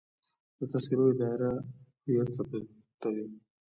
د تذکرو اداره هویت ثبتوي